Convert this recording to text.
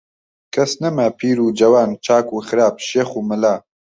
کەس نەما، پیر و جەوان، چاک و خراپ، شێخ و مەلا